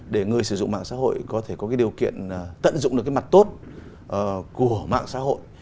để người sử dụng mạng xã hội có thể có cái điều kiện tận dụng được cái mặt tốt của mạng xã hội